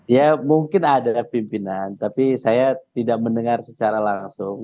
ya mungkin ada pimpinan tapi saya tidak mendengar secara langsung